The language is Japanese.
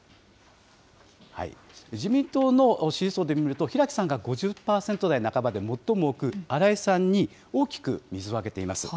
自民党の支持層で見ると、平木さんが５０％台半ばで最も多く、荒井さんに大きく水をあけています。